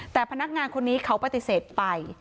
แต่พนักงานคนนี้เขาปฏิเสธไป